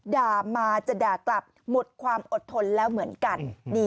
มาจะด่ากลับหมดความอดทนแล้วเหมือนกัน